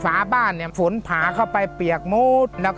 ฝาบ้านฝนผาเข้าไปเปียกมูด